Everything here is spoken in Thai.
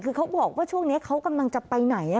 คือเขาบอกว่าช่วงนี้เขากำลังจะไปไหน